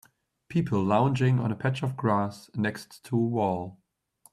People lounging on a patch of grass next to a wall.